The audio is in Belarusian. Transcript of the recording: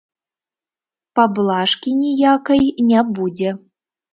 Паблажкі ніякай не будзе.